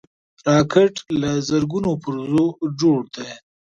راکټ له زرګونو پرزو جوړ دی